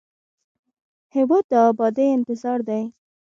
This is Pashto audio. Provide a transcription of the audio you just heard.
هېواد د ابادۍ انتظار دی.